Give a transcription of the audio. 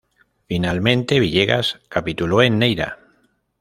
Finalmente Villegas capituló en Neira.